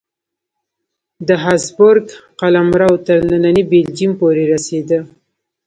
د هابسبورګ قلمرو تر ننني بلجیم پورې رسېده.